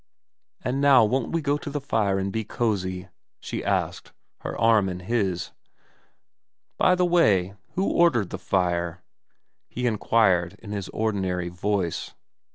And now won't we go to the fire and be cosy ?' she asked, her arm in his. ' By the way, who ordered the fire ?' he inquired in his ordinary voice.